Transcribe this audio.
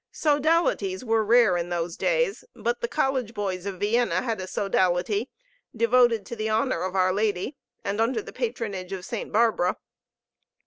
Sodalities were rare in those days; but the college boys of Vienna had a sodality, devoted to the honor of our Lady, and under the patronage of Saint Barbara.